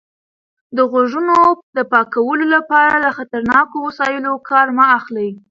د غوږونو د پاکولو لپاره له خطرناکو وسایلو کار مه اخلئ.